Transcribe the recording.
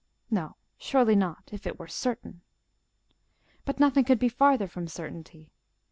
No, surely not, if it were certain. But nothing could be farther from certainty.